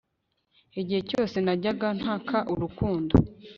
igihe cyose ; najyaga ntaka urukundo